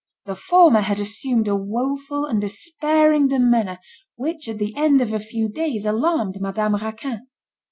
The former had assumed a woeful and despairing demeanour which at the end of a few days alarmed Madame Raquin.